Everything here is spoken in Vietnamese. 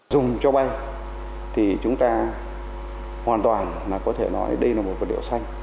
dùng cho bay thì chúng ta hoàn toàn có thể nói đây là một vật liệu xanh